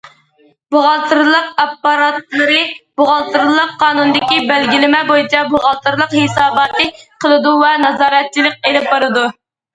بوغالتىرلىق ئاپپاراتلىرى، بوغالتىرلىق قانۇنىدىكى بەلگىلىمە بويىچە بوغالتىرلىق ھېساباتى قىلىدۇ ۋە نازارەتچىلىك ئېلىپ بارىدۇ.